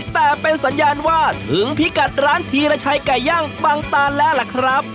แต่เป็นสัญญาณว่าถึงพิกัดร้านธีรชัยไก่ย่างปังตานแล้วล่ะครับ